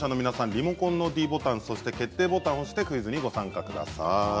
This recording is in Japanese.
リモコンのｄボタンそして決定ボタンを押してクイズにご参加ください。